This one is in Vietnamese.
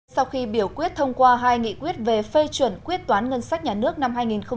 sau khi biểu quyết thông qua hai nghị quyết về phê chuẩn quyết toán ngân sách nhà nước năm hai nghìn một mươi bảy